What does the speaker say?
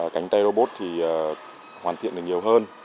cánh tay robot thì hoàn thiện được nhiều hơn